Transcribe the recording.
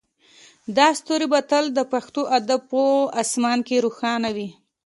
دا ستوری به تل د پښتو ادب په اسمان کې روښانه وي